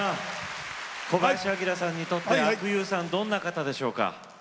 小林旭さんにとって阿久悠さんはどんな方でしょうか。